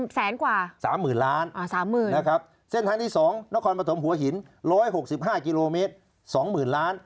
แสนกว่า๓๐๐๐ล้าน๓๐๐๐นะครับเส้นทางที่๒นครปฐมหัวหิน๑๖๕กิโลเมตร๒๐๐๐ล้าน